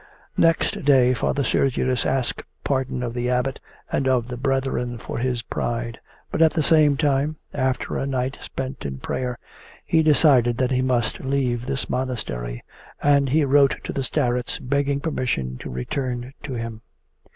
Next day Father Sergius asked pardon of the Abbot and of the brethren for his pride, but at the same time, after a night spent in prayer, he decided that he must leave this monastery, and he wrote to the starets begging permission to return to him.